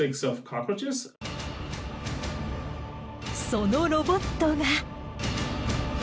そのロボットが。